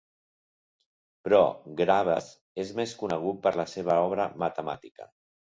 Però Graves és més conegut per la seva obra matemàtica.